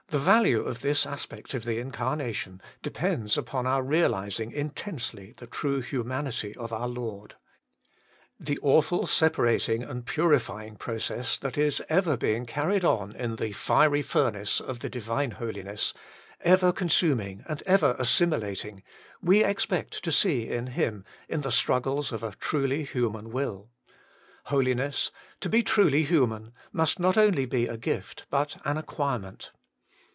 The value of this aspect of the Incarnation depends upon our realizing intensely the true humanity of our Lord. The awful separating and purifying process that .is ever being carried on in the fiery furnace of the Divine Holiness, ever con suming and ever assimilating, we expect to see in Him in the struggles of a truly human will. Holiness, to be truly human, must not only be a gift, but an acquirement.